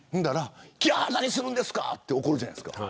何するんですかと怒るじゃないですか。